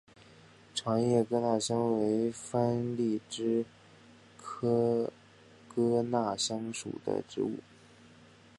长叶哥纳香为番荔枝科哥纳香属的植物。